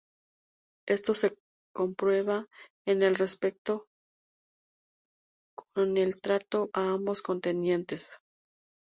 Esto se comprueba en el respeto con el que trató a ambos contendientes.